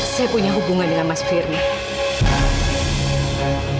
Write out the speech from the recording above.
saya punya hubungan dengan mas firly